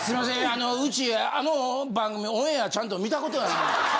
あのうちあの番組オンエアちゃんと観たことない。